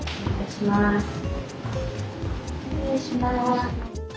失礼します。